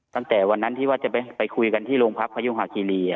ตั้งแต่วันนั้นที่ว่าจะไปคุยกันที่โรงพักพยุหาคิรี